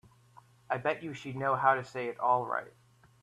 I bet you she'd know how to say it all right.